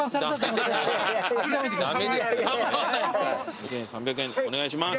２，３００円お願いします！